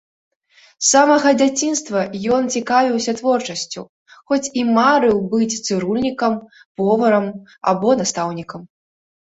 З самага дзяцінства ён цікавіўся творчасцю, хоць і марыў быць цырульнікам, поварам або настаўнікам.